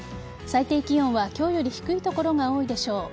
最低気温は今日より低い所が多いでしょう。